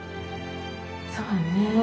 そうね。